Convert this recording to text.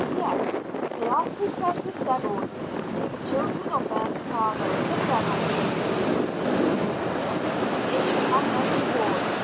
"Yes, they are possessed with devils being children of their father, the devil!" she continued scornfully. "And they shall have their reward.